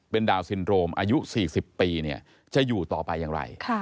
เป็นดาวนซินโรมอายุ๔๐ปีจะอยู่ต่อไปอย่างไร